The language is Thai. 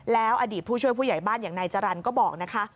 แล้วอดีตผู้ช่วยผู้ใหญ่บ้านอย่างนายจรรย์ก็บอกนะคะ